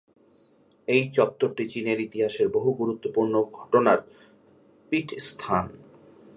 এই চত্বরটি চীনের ইতিহাসের বহু গুরুত্বপূর্ণ ঘটনার পীঠস্থান।